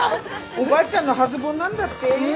おばあちゃんの初盆なんだって？